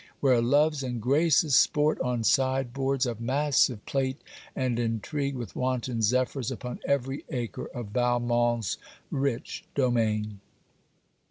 where loves and graces sport on sideboards of massive plate, and intrigue with wanton zephyrs upon every acre of Valmont's rich domain!